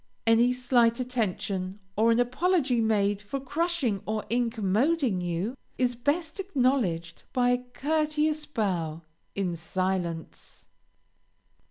Any slight attention, or an apology made for crushing or incommoding you, is best acknowledged by a courteous bow, in silence.